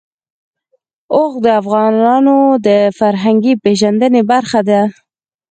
اوښ د افغانانو د فرهنګي پیژندنې برخه ده.